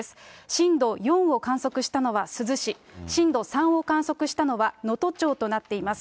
震度４を観測したのは珠洲市、震度３を観測したのは能登町となっています。